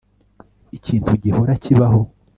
Ikintu gihora kibaho